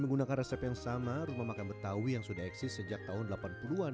menggunakan resep yang sama rumah makan betawi yang sudah eksis sejak tahun delapan puluh an